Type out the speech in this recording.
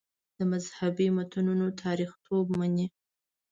د مذهبي متنونو تاریخیتوب مني.